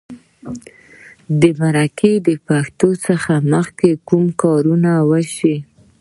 د مرکه د پښتو څخه مخکې کوم کارونه شوي وي.